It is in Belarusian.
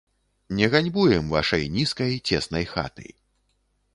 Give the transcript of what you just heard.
Не ганьбуем вашай нізкай, цеснай хаты.